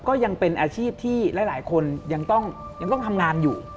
ก็ยังเป็นอาชีพที่หลายคนยังต้องทำงานอยู่